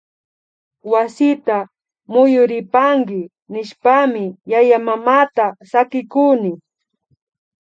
Wasita muyuripanki nishpami yayamamata sakikuni